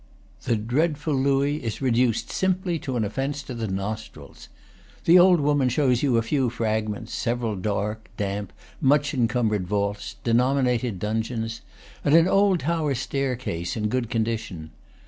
The dreadful Louis is reduced simply to an offence to the nostrils. The old woman shows you a few fragments, several dark, damp, much encumbered vaults, de nominated dungeons, and an old tower staircase, in good condition.